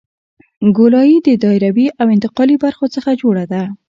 ګولایي د دایروي او انتقالي برخو څخه جوړه ده